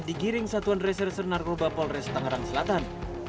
digiring satuan reser ser narkoba polres tangerang selatan